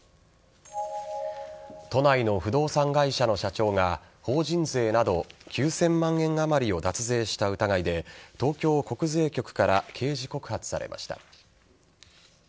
都内の不動産会社の社長が法人税など９０００万円あまりを脱税した疑いで東京国税局から刑事告発されました。